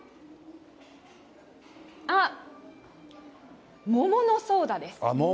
あっ、桃のソーダです。